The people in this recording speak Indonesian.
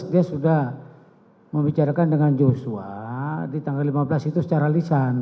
dia sudah membicarakan dengan joshua di tanggal lima belas itu secara lisan